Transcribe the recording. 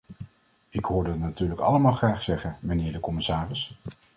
Ik hoor dat natuurlijk allemaal graag zeggen, mijnheer de commissaris.